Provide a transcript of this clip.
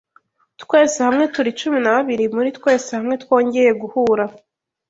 Twese hamwe turi cumi na babiri muri twese hamwe twongeye guhura.